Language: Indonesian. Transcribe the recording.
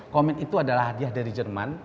komit itu adalah hadiah dari jerman